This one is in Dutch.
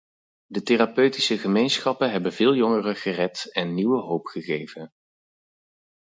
De therapeutische gemeenschappen hebben veel jongeren gered en nieuwe hoop gegeven.